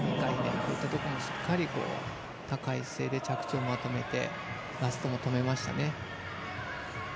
こういったところもしっかり高い姿勢で着地をまとめてラストも止めましたね。